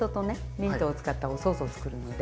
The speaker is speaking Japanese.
ミントを使ったおソースをつくるので。